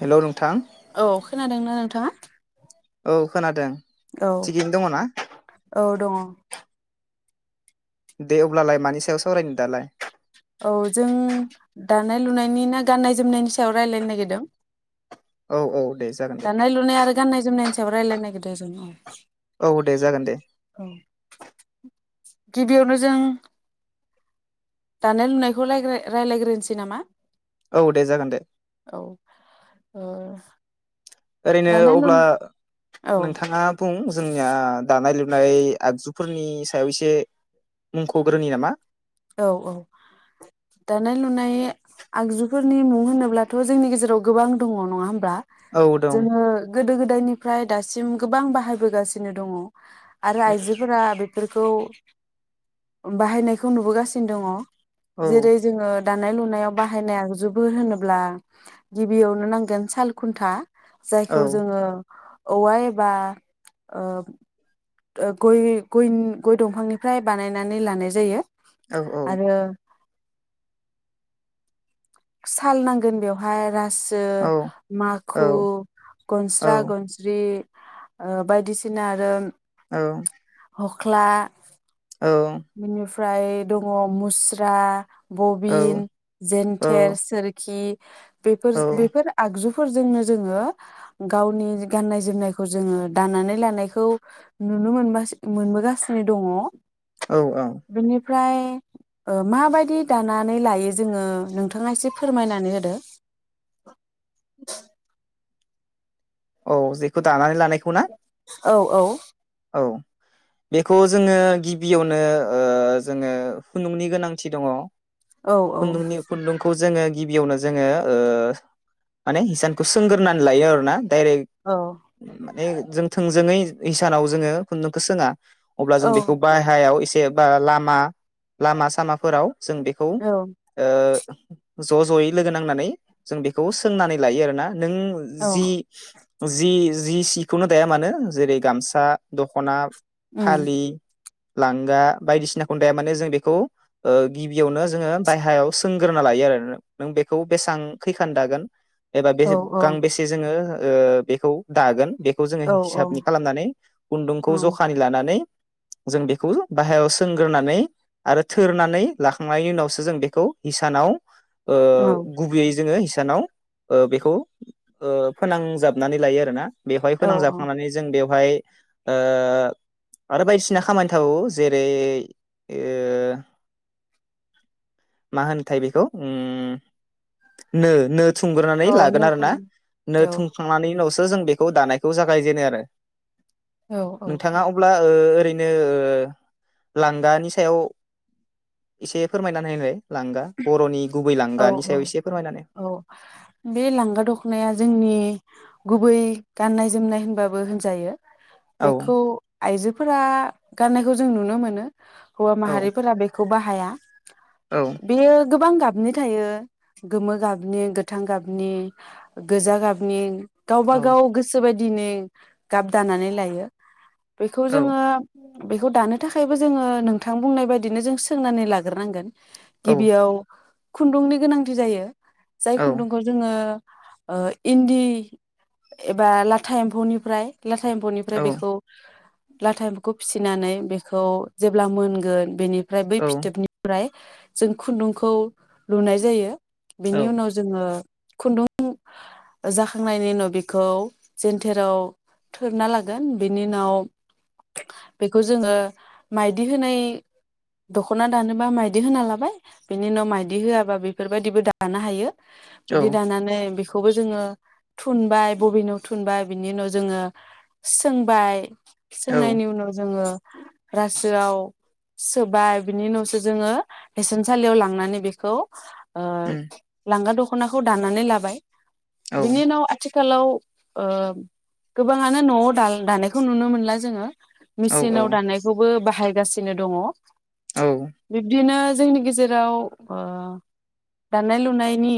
हेल' नोंथां। औ खोनादोंना नोंथाङा? औ खोनादों। औ थिगैनो दङ ना औ दङ। दे अब्लालाय मानि सायाव सावरायनो दालाय। औ जों दानाय लुनायनि ना गान्नाय जोमनायनि सायाव रायज्लायनो नागिरदों? औ औ दे जागोन दे दानाय लुनाय आरो गान्नाय जोमनायनि‌ सा सायाव रायलायनो नागिरदों जों औ। औ दे जागोन दे। औ गिबियावनो जों दानाय लुनायखौ रायज्लायग्रोनोसै नामा? औ दे जागोन दे। औ [inaudible] ओरैनो दानाय लुन अब्ला औ नोंथाङा बुं जोंनिया दानाय लु ओमफ्राय आगजुफोरनि सायाव एसे मुंख'ग्रोनि नामा? औ औ दानाय लुनाय आगजुफोरनि मुं होनोब्लाथ' जोंनि गेजेराव गोबां दङ नङा होनब्ला? औ दं जोङो गोदो- गोदाय गोदायनिफ्राय दासिम गोबां बाहायबोगासिनो दङ। आरो आइजोफोरा बे बेफोरखौ बाहायनायखौ नुबोगा सिनो दङ। औ जेरै जोङो दानाय लुनायाव बाहायनाय‌ आगजु बो होनोब्ला गिबियावनो नांगोन साल खुन्था। औ जायखौ जोङो औवा एबा ओ गइ गइ गइ दंफांनिफ्राय बानायनानै लानाय जायो। औ औ। आरो साल नांगोन बेवहाय रा सो औ औ माखु औ गनस्रा गनस्रि ओ बायदिसिना आरो औ। हख्ला। औ। ओमफ्राय दङ' मुस्रा बबिन जेन थेर सोरखि बेफोर औ बेफोर आगजु फोरजोंनो जोङो गावनि गाननाय जोमनायखौ जोङो दानानै लानायखौ नुनो मोनबासि मोनबोगासिनो दङ'। औ औ। ओमफ्राय माबायदि दानानै लायो जोङो नोंथ नोंथाङा एसे फोरमायनानै होदो। औ जेखौ दानानै लानायखौ ना? औ औ। औ बेखौ जोङो गिबियावनो ओ जोङो खुन्दुंनि गोनांथि दङ'। औ खुन्दुंनि खुन्दुंखौ जोङो गिबियावनो जोङो ओ माने हिसानखौ सोंग्रोनानै लायो आरो ना। दाइरेक्ट माने जों थोंजोङै इसान सानाव जोङो खुन्दुंखो सोङा। अब्ला जों औ बेखौ बाहायाव एसे [unintelligible] लामा लामा सामाफोराव जों बेखौ औ ओ ज' ज'यै लोगो नांनानै जों बेखौ सोंनानै लायो आरोना। नों जि औ जि जि सिखौनो दाया मानो जेरै गामसा सा दख'ना उम फालि लांगा बायदिसिनाखौनो दाया माने जों बेखौ ओ गिबियावनो जोङो बायहायाव सोंग्रोना लायो आरो नों बेखौ बेसेबां खैखान दागोन एबा औ बेसे गांबेसे जोङो ओ बेखौ दागोन बेखौ जोङो औ हिसाबनि औ खालामनानै खुन्दुंखौ जखानि लानानै नै जों बेखौ बाहेरायाव सोंग्रोनानै आरो थोरनानै लाखांनायनि उनावसो जों बेखौ हिसानाव ओ औ गुबैयै जोङो हि सानाव बेखौ फोनांजाबनानै लायो आरोना । बेवहाय औ औ फोनांजाखांनानै जों बेव हाय ओ आरो बायदिसिना खामानि थाबावो जेरै ओ मा होनो थाय बेखौ ओ नो नो थुनग्रोनानै औ लागोन नो आरोना खन नो औ थुनखांनानै उनावसो [unintelligible] जों बेखौ दानायखौ जागायजेनो आरो । औ औ नोंथाङा अब्ला ओ ओरैनो ओ लांगानि सायाव एसे फोरमायनानै होलाय । औ औ एसे फोरमायनानै औ बे लांगा दखनाया जोंनि गुबै गाननाय जोमनाय होनबाबो होनजायो। औ बेखौ आइजोफोरा गाननायखौ जों नुनो मोनो। हौवा औ माहारिफोरा बेखौ बाहाय हाया औ। बेयो गोबां गाबनि थायो गोमो गाबनि गोथां गाबनि गोजा गाबनि गावबा औ गाव गोसोबायदि दिनै गाब दानानै लायो। बेखौ औ जोङो बेखौ दानो थाखायबो जोङो नोंथां बुंनाय बायदिनो जों सोंनानै लाग्रोनांगोन। औ गिबियाव खुन्दुंनि गोनांथि जायो। जाय खुन्दुंखौ जोङो ओ इन्दि एबा लाथा एम्फौनिफ्राय लाथा एम्फौनिफ्राय औ बेखौ लाथा एम्फौखौ फिसिनानै बेखौ जेब्ला मोनगोन बेनि ओमफ्राय बै फिथोबनिफ्राय जों खुन्दुंखौ लुनाय जायो। बिनि औ उनाव जोङो खुन्दुं जाखांनायनि उनाव बेखौ जेनथेराव थोरना लागोन बेनि उनाव बेखौ जोङो माइदि होनाय दख'ना दानोबा माइदि होना लाबाय। बिनि उनाव माइदि होआबा बेफोरबायदिबो दानो हायो। औ बिदि दानानै बिखो बेखौबो जोङो थुनबाय बबिनाव थुनबाय बिनि उनाव जोङो सोंबाय। औ सोंनायनि उनाव जोङो रासोआव सोबाय बिनि उनावसो जोङो हेसानसालियाव लांनानै बेखौ ओ उम लांगा दख दख'नाखौ दानानै लाबाय। औ बिनि उनाव आथि खालाव ओ गोबाङानो न'आव दाल दानायखौ नुनो मोनला जोङो। मेचिनाव दानायखौबो बाह बाहायगासिनो दङ। औ बिब्दिनो जोंनि गेजेराव ओ दानाय लुनायनि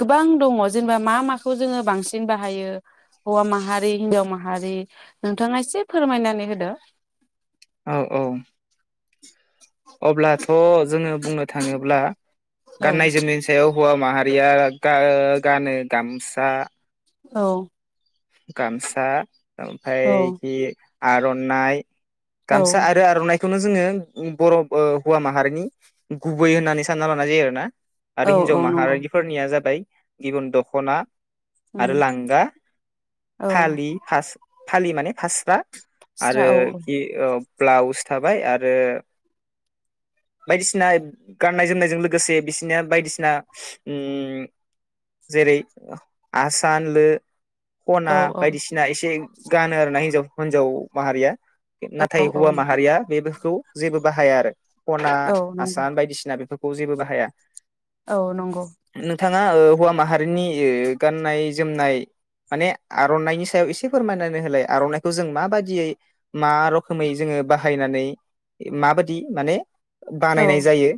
गोबां दङ जेनेबा मा माखौ जोङो बांसिन बाहायो हौवा माहारि हिनजाव माहारि नोंथाङा एसे फोरमायनानै होदो। औ औ। अब्लाथ' जोङो बुंनो थाङोब्ला औ गाननाय जोमनायनि सायाव हौवा माहारिया गा ओ गानो गामसा। औ। गामसा। औ ओमफ्रायखि आर'नाइ औ गामसा आरो आर'नाइ बेखौनो जोङो उम बर'ब ओ हौवा माहारिनि गुबै होननानै सानना लानाय जायो आरो ना। औ आरो हिन्जाव औ नंगौ माहारिफोरनिया जाबाय बिदन दख'ना उम आरो लांगा औ फालि फास फालि माने फास्रा। स्रा औ आरोखि ओ ब्लाउस थाबाय आरो बायदिसिना गाननाय जोमनायजों लोगोसे बिसिनिया बायदिसिना उम जेरै आसान, लो खना औ औ बायदिसिना एसे गानो आरो ना हिन्जाव हिन्जाव माहारिया औ नाथाय औ हौवा माहारिया बे खौ जेबो बाहाया आरो। खना, औ नंगौ आसान बायदिसिना बेफोर खौ जेबो बाहाया। औ नंगौ नोंथाङा ओ हौवा माहा जोंनि ओ गाननाय जोमनाय माने आर'नाइनि सायाव एसे फोरमायनानै होलाय आर'नाइखौ जों माबादियै मा रोखोमै जोङो बाहायनानै माबादि माने औ बानायनाय जायो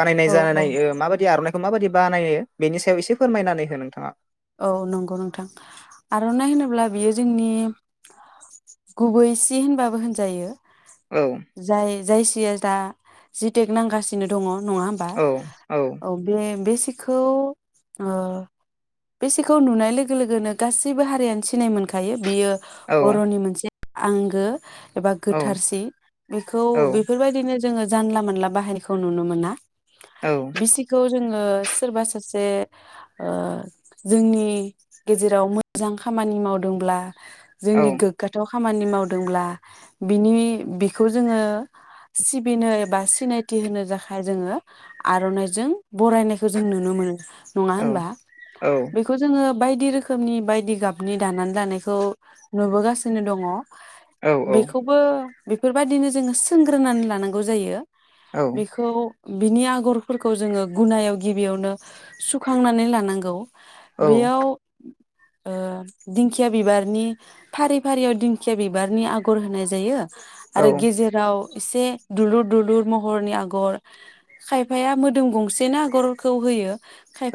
बानायनाय औ औ जानानै माबायदि आर'नाइ खौ माबादि बानायो बेनि सायाव एसे फोरमायनानै हो नोंथाङा। औ नंगौ नोंथां आर'नाइ होनोब्ला बियो जोंनि गुबै सि होनबाबो होनजायो। औ जाय जाय यो दा जिटेक नांगासिनो दङ नङा होमबा? औ बे सिखौ ओ बे सिखौ नुनाय लोगो लोगोनो गासैबो हारियानो सिनाय मोनखायो। बियो औ बर'नि मोनसे आंगो एबा औ गोथारसि बेखौ औ बेफोरबायदिनो जोङो जानला मानला बाहायनायखौ नुनो मोना। औ बिसिखौ जोङो सोरबा सासे ओ जोंनि गेजेराव मोजां खामानि मावदोंब्ला जोंनि औ गोग्गाथाव खामानि मावदोंब्ला बिनि बिखौ जोङो सिबिनो एबा सिनायथि होनो थाखाय जोङो आर'नाइजों बरायनायखौ जों नुनो मोनो। नङा औ होनबा? औ बेखौ जोङो ङो बायदि रोखोमनि बायदि गाबनि दानानै लानायखौ नुबोगासिनो दङ। औ बेखौबो बेफोरबादिनो जोङो सोंग्रोनानै लानांगौ जायो। औ बेखौ बिनि आगरफोरखौ जोङो गुनायाव गिबियावनो सुखांनानै लानांगौ। औ बेयाव ओ दिंखिया बिबारनि फारि फारियाव दिंखिया बिबारनि आगर होनाय जायो। औ आरो गेजेराव एसे दुलुर दुलुर महरनि आगर खायफाया मोदोम गंसेनो आगरखौ होयो।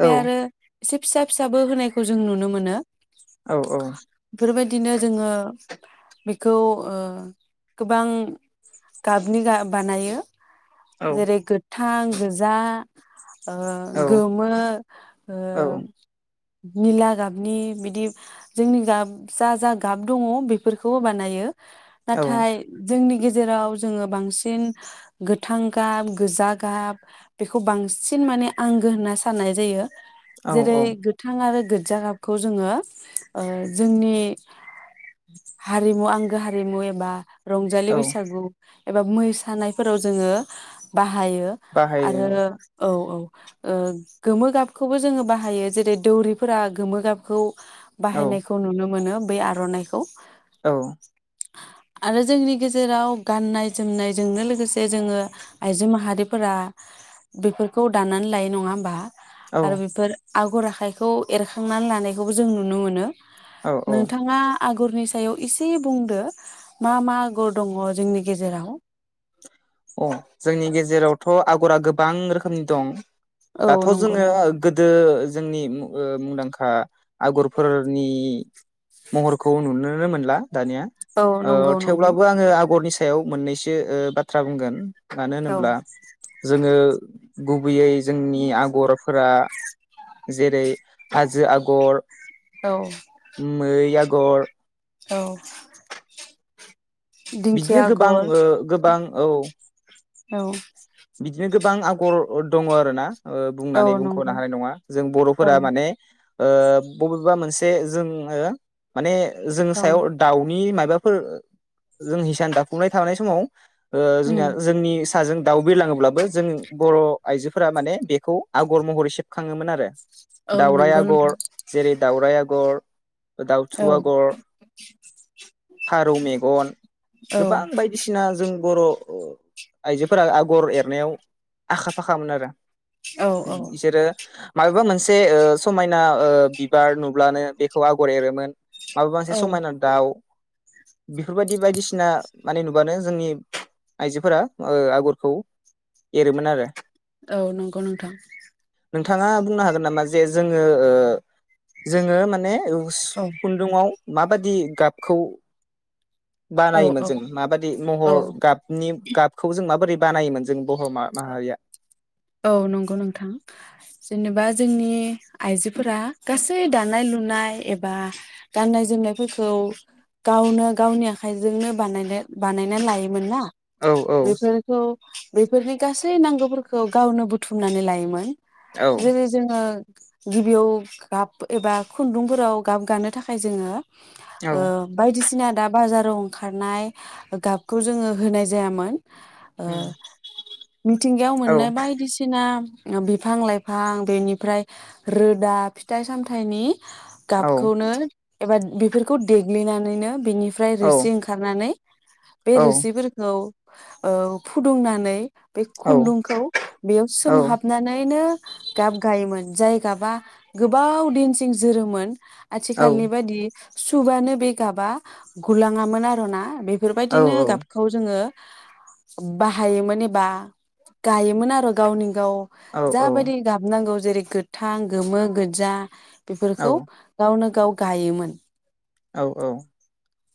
औ आरो एसे फिसा फिसाबो होनायखौ जों नुनो मोनो। औ औ। बेफोरबायदिनो जोङो बेखौ ओ गोबां गाबनि गा बानायो जेरै गो थां गोजा ओ गोमो ओ औ निला गाबनि बिदि जोंनि गाब जा जा गाब दङ बेफोरखौबो बानायो। औ नाथाय जोंनि गेजे जेराव जोङो बांसिन गोथां गाब, गोजा गाब बेखौ बांसिन माने आंगो होनना साननाय जायो। जेरै औ गोथां आरो गो जा गाबखौ जोङो ओ जोंनि हारिमु, आंगो हारिमु एबा रंजलि औ बैसागु एबा मोसानायफोराव जोङो बाहाय बाहायो बाहायो आरो औ औ । ओ गोमो गाब खौबो जोङो बाहायो जेरै दौरिफोरा गोमो गाबखौ औ बाहायनायखौ नुनो मोनो। बै आर'नाइखौ औ। आरो जोंनि गेजेराव गाननाय जोमनायजोंनो लोगोसे जोङो आइजो माहारिफोरा बेफोरखौ दानानै लायो नङा होमबा? औ आरो बेफोर आगर आखाइखौ एरखांनानै लानायखौबो जों नुनो मोनो। औ नोंथाङा आगरनि सायाव इसे बुंदो मा मा आगर दङ जोंनि गेजेराव? अ जोंनि गेजेरावथ' आगरा गोबां रोखोमनि दं। औ दाथ' नंगौ जोङो गो दो जोंनि ओ मुंदांखा आगरफोरनि महरखौ नुनोनो मोनला दानिया। औ ओ नंगौ नंगौ थेवब्लाबो आङो आगरनि सायाव मोननैसो ओ बा थ्रा बुंगोन। मानो औ होनोब्ला जोङो गुबैयै जोंनि आगरफोरा जेरै हाजो आगर, औ ओम मै आगर, औ बिदिनो दिंखिया गोबां आगर ओ गोबां औ औ बिदिनो गोबां आगर दङ' आरो ना। ओ औ बुंनानै बुंख'नो नंगौ हानाय नङा जों औ बर'फोरा माने ओ बबेबा मोनसे जोंङो माने जोंङो औ सायाव दाउनि मायब माबाफोर जों हिसान दाफुंनाय थानाय समाव ओ जोंना उम जोंनि साजों दाउ बिरलाङोब्लाबो जों बर' आइजोफोरा माने बेखौ आगर महरै सेबखाङोमोन आरो। औ दाउराय नंगौ आगर नोंथां जेरै दाउराय आग गर दाउथु औ आगर, फारौ मेगन औ गोबां बायदिसिना जों बर' अ आइजो फोरा आगर एरनायाव आखा फाखामोन आरो। औ औ बिसोरो मायोबा मोनसे ओ समायना बिबार नुब्लानो बेखौ आगर एरोमोन। माबा मोनसे औ समायना दाउ, बेफोरबायदि बायदिसिना माने नुबानो जोंनि आइजोफोरा ओ आगरखौ एरोमोन आरो। औ नंगौ नोंथां। नोंथाङा बुंनो हागोन नामा जे जोङो ओ जोङो माने हुस औ खुन्दुङाव मा माबादि गाबखौ औ बानायोमोन? औ जों माबायदि महर औ गाबनि गाब खौ जों माबोरै बानायोमोन जों बर' मा माहारिया औ नंगौ नोंथां जेनेबा जोंनि नि आइजोफोरा गासै दानाय लुनाय एबा गाननाय जोमनायफोरखौ गावनो गावनि आखाइजोंनो बानायनो बानायना लायोमोन ना। औ औ बेफोरखौ बे फोरनि गासै नांगौफोरखौ गावनो बुथुमनानै लायोमोन। औ जेरै जोङो गिबियाव गाब एबा खुन्दुंफोराव गाब गानो थाखाय जोङो औ ओ बायदिसिना दा बाजाराव ओंखारनाय ओ गाबखौ जोङो होनाय जायामोन। ओ उम। मिथिंगायाव औ मोननाय बायदिसिना ना बिफां लाइफां बेनिफ्राय रोदा, फिथाइ सामथाइनि औ गाबखौनो एबा बेफोरखौ देग्लिनानैनो बिनि फ्राय औ रोसि ओंखारनानै बे औ रोसिफोरखौ ओ फुदुंनानै बे औ खुन्दुंखौ बेयाव औ सोमहाबनानैनो गाब गायोमोन जाय गाबा गोबाव दिनसिं जोरोमोन। औ आथिखालनि बायदि सुबानो बे गाबा गुलाङामोन आर ना बे बेफोरबायदिनो गाबखौ जोङो बाहायोमोन बा गायोमोन आरो गावनि गाव औ जा बायदि गाब नांगौ जेरै गोथां, गोमो, गोदजा, बेफोरखौ औ गावनो गाव गायोमोन। औ औ।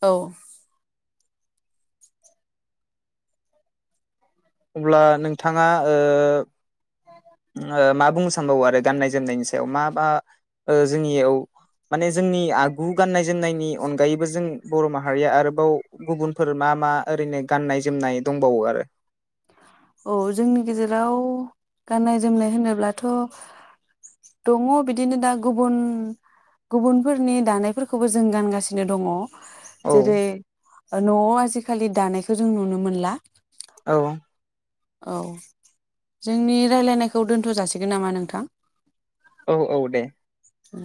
औ। अब्ला नोंथाङा ओ मा बुंनो सानबावो आरो गान्नाय जोमनायनि सायाव मा बा ओ जोंनियाव माने जोंनि आगु गाननाय जोमनायनि अनगायैबो जों बर' माहारिया आरोबाव गुबुनफोर मा मा ओरैनो गान्नाय जोमनाय दंबावो आरो? औ जोंनि गेजेराव गाननाय जोमनाय होनोब्लाथ' दङ बिदिनो दा गुबुन गुबुनफोरनि दानायफोरखौबो जों गानगासिनो दङ। औ जेरै न'आव आजिखालि दानायखौ जों नुनो मोनला। औ। औ जोंनि रायलायनायखौ दोनथ' जासिगोन नामा नोंथां? औ औ दे। औ।